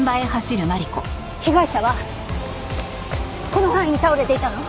被害者はこの範囲に倒れていたの？